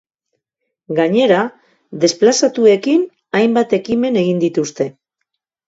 Gainera desplazatuekin hainbat ekimen egin dituzte.